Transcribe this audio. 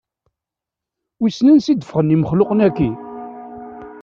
Wissen ansa i d-ffɣen imexluqen-aki?